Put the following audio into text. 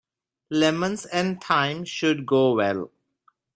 Lemons and thyme should go well.